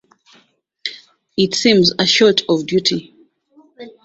It seems a sort of duty.